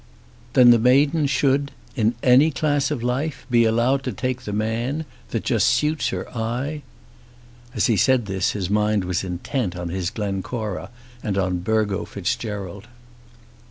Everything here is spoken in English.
"Then the maiden should in any class of life be allowed to take the man that just suits her eye?" As he said this his mind was intent on his Glencora and on Burgo Fitzgerald.